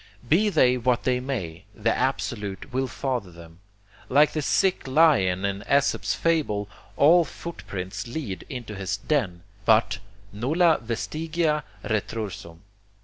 Be they what they may, the Absolute will father them. Like the sick lion in Esop's fable, all footprints lead into his den, but nulla vestigia retrorsum.